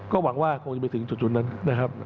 ก็หวังว่าคงจะไปถึงจุดนั้นนะครับ